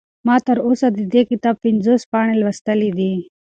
ما تر اوسه د دې کتاب پنځوس پاڼې لوستلي دي.